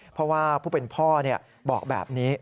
เพราะว่าผู้เป็นพ่อบอกแบบนี้